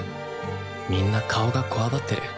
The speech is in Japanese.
みんな顔がこわばってる。